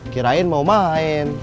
kirain mau main